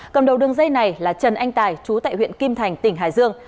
cầm đầu đường dây này là trần anh tài chú tại huyện kim thành tỉnh hải dương